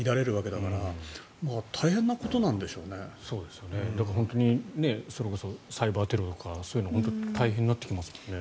だから、本当にサイバーテロとかそういうのが大変になってきますからね。